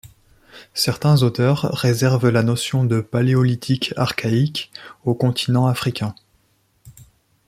Certains auteurs réservent la notion de Paléolithique archaïque au continent africain.